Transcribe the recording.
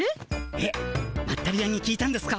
えっまったり屋に聞いたんですか？